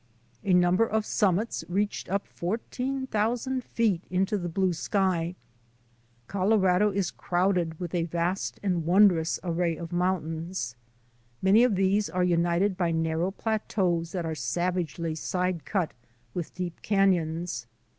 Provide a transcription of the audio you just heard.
A number of summits reached up fourteen thousand feet into the blue sky. Colorado is crowded with a vast and wondrous array of mountains. Many of these are united by narrow plateaus that are savagely side cut with deep canons.